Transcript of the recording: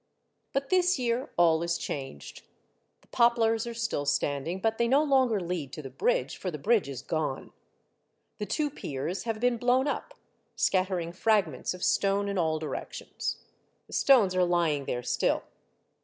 But this year all is changed. The poplars are still standing, but they no longer lead to the bridge, for the bridge is gone. The two piers have been blown up, scattering fragments of stone in all di rections. The stones are lying there still.